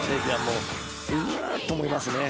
うわあと思いますね。